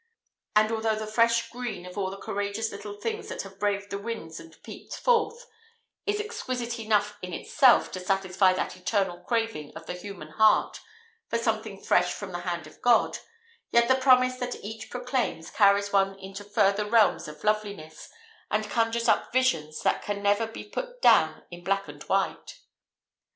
And although the fresh green of all the courageous little things that have braved the winds and peeped forth, is exquisite enough in itself to satisfy that eternal craving of the human heart for something fresh from the Hand of God, yet the promise that each proclaims carries one into further realms of loveliness, and conjures up visions that can never be put down in black and white.